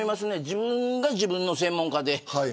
自分が自分の専門科で。